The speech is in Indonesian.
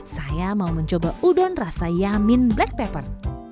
saya mau mencoba udon rasa yamin black pepper